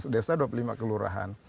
desa dua puluh lima kelurahan